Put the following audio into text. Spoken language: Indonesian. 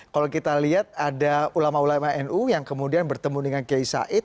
kalau kita lihat ada ulama ulama nu yang kemudian bertemu dengan kiai said